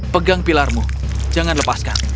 pegang pilarmu jangan lepaskan